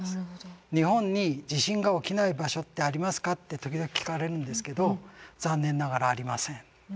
「日本に地震が起きない場所ってありますか」って時々聞かれるんですけど残念ながらありません。